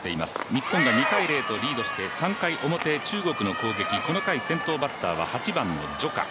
日本が２−０とリードして３回表、中国の攻撃この回先頭バッターは８番の徐佳。